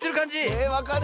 えっわかる？